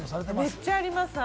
めっちゃあります。